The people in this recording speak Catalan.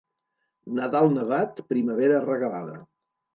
Nadal nevat, primavera regalada.